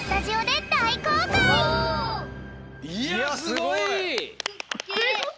いやすごい！